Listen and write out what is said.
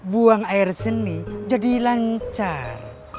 buang air seni jadi lancar